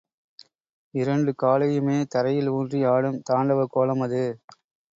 இரண்டு காலையுமே தரையில் ஊன்றி ஆடும் தாண்டவக் கோலம் அது.